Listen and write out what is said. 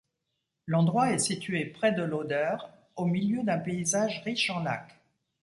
L'endroit est situé près de l'Oder au milieu d'un paysage riche en lacs.